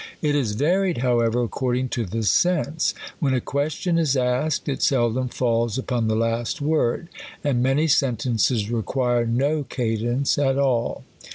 It is varied, how ever, according to the sense. When a question is asked, it seldom falls upon the last word ; and many sentences require no cadence at all.